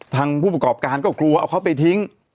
ผู้ประกอบการก็กลัวเอาเขาไปทิ้ง